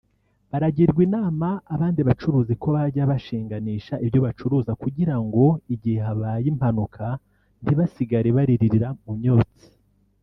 baragirwa inama abandi bacuruzi ko bajya bashinganisha ibyo bacuruza kugira ngo igihe habaye impanuka ntibasigare baririra mu myotsi